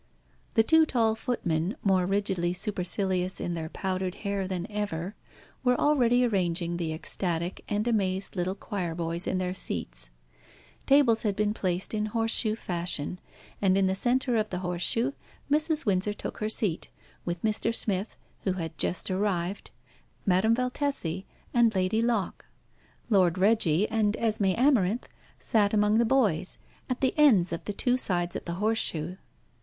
The two tall footmen, more rigidly supercilious in their powdered hair than ever, were already arranging the ecstatic and amazed little choir boys in their seats. Tables had been placed in horse shoe fashion, and in the centre of the horse shoe Mrs. Windsor took her seat, with Mr. Smith, who had just arrived, Madame Valtesi, and Lady Locke. Lord Reggie and Esmé Amarinth sat among the boys at the ends of the two sides of the horse shoe.